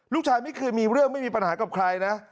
ลูกชายไม่เคยมีเรื่องไม่มีปัญหากับใครนะ